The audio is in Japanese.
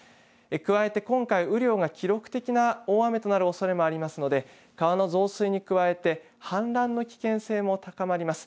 加えて今回、雨量が記録的な大雨となるおそれがありますので川の増水に加えて氾濫の危険性も高まります。